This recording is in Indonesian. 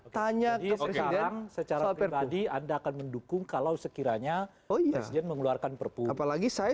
tanya enggak dengan jadi anda akan mendukung kalau sekiranya audio yang mengeluarkan per chiaki saya